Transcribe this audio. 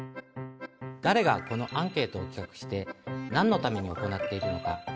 だれがこのアンケートを企画してなんのために行っているのか。